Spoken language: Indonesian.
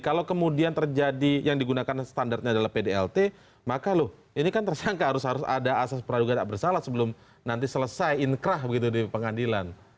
kalau kemudian terjadi yang digunakan standarnya adalah pdlt maka loh ini kan tersangka harus harus ada asas peraduga tak bersalah sebelum nanti selesai inkrah begitu di pengadilan